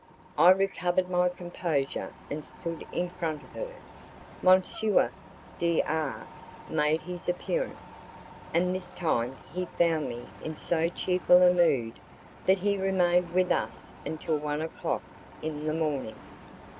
I recovered my composure and stood in front of her. ... M. D R made his appearance, and this time he found me in so cheerful a mood that he remained with us until one o'clock in the morning.